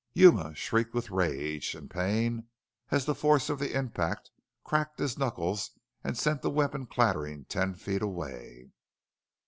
Yuma shrieked with rage and pain as the force of the impact cracked his knuckles and sent the weapon clattering ten feet away.